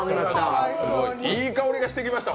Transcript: いい香りがしてきました。